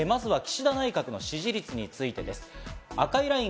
まずは岸田内閣の支持率についてです。